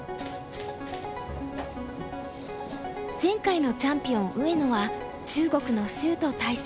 前回のチャンピオン上野は中国の周と対戦。